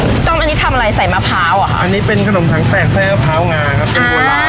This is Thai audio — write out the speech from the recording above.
พี่ต้มอันนี้ทำอะไรใส่มะพร้าวอ่ะอันนี้เป็นขนมถังแตกไส้มะพร้าวงาครับ